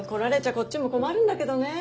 こっちも困るんだけどね。